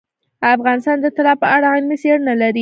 افغانستان د طلا په اړه علمي څېړنې لري.